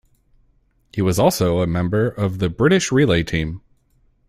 He was also a member of the British relay team.